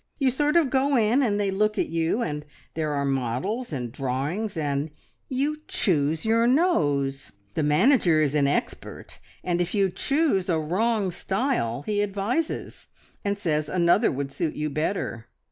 You sort of go in, and they look at you, and there are models and drawings, and you choose your nose! The manager is an expert, and if you choose a wrong style he advises, and says another would suit you better.